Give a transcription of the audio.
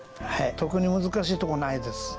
特に難しいとこないです。